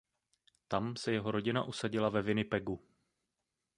Tam se jeho rodina usadila ve Winnipegu.